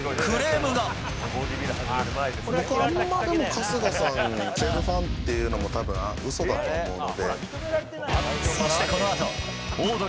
僕はあんま春日さん、西武ファンっていうのも、たぶん、うそだと思うので。